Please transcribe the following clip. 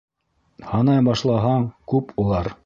Һанай башлаһаң, күп улар.